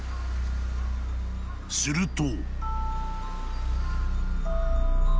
［すると］